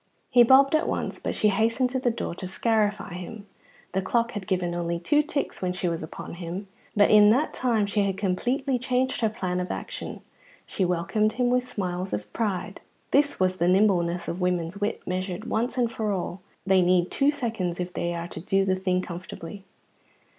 He bobbed at once, but she hastened to the door to scarify him. The clock had given only two ticks when she was upon him, but in that time she had completely changed her plan of action. She welcomed him with smiles of pride. Thus is the nimbleness of women's wit measured once and for all. They need two seconds if they are to do the thing comfortably.